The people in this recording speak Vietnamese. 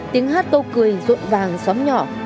tiếng hát tô cười rộn vàng xóm nhỏ